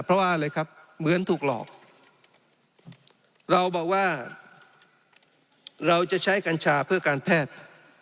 เพราะว่าอะไรครับเหมือนถูกหลอกเราบอกว่าเราจะใช้กัญชาเพื่อการแพทย์